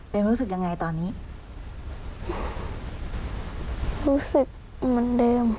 เป็นรู้สึกยังไงตอนนี้รู้สึกเหมือนเดิม